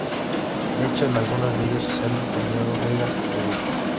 De hecho, en algunos de ellos se han determinado huellas de uso.